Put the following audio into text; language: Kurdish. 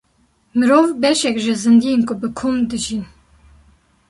Mirov beşek ji zindiyên ku bi kom dijîn.